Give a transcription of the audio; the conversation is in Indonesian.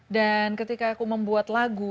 dan ketika aku membuat lagu